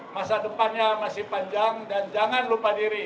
masa depannya masih panjang dan jangan lupa diri